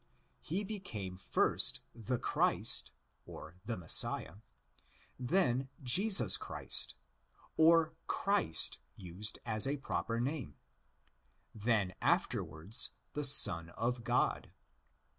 He became first the Christ (the Messiah); then Jesus Christ, or Christ (used as ἃ proper name); then afterwards the Son of God.